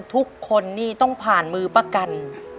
ทุกคนนี่ต้องผ่านมือประกัน